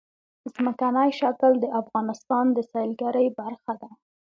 ځمکنی شکل د افغانستان د سیلګرۍ برخه ده.